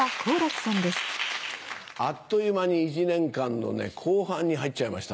あっという間に１年間の後半に入っちゃいましたね。